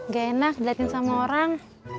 gak enak dilihatin sama orang